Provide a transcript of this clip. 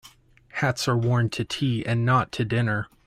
Hats are worn to tea and not to dinner.